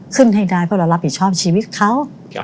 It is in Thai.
ให้ได้เพราะเรารับผิดชอบชีวิตเขา